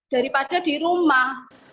daripada di rumah